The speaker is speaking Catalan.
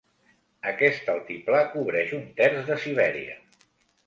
Aquest altiplà cobreix un terç de Sibèria.